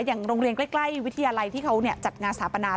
อย่างโรงเรียนใกล้วิทยาลัยที่เขาจัดงานสถาปนา